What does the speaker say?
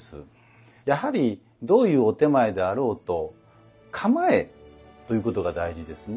やはりどういうお点前であろうと構えということが大事ですね。